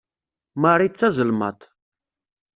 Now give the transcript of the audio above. Marie d tazelmaḍt.